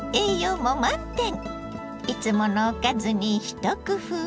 いつものおかずに一工夫。